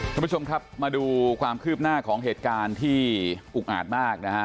ท่านผู้ชมครับมาดูความคืบหน้าของเหตุการณ์ที่อุกอาจมากนะฮะ